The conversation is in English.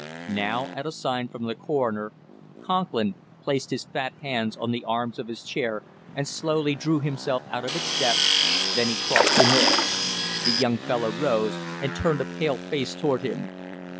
Now at a sign from the coroner, Conklin placed his fat hands on the arms of his chair and slowly drew himself out of its depths, then he crossed to North. The young fellow rose, and turned a pale face toward him.